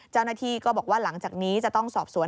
เจ้าหน้าที่ก็บอกว่าหลังจากนี้จะต้องสอบสวน